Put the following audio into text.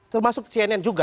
termasuk cnn juga